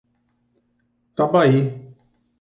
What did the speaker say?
Tabaí